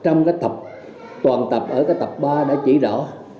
trong cái tập toàn tập ở cái tập ba đã chỉ rõ